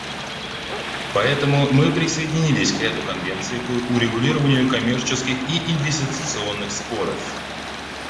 Поэтому мы присоединились к ряду конвенций по урегулированию коммерческих и инвестиционных споров.